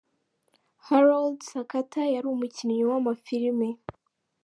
Harold Sakata, yari umukinnyi w’Amafilimi.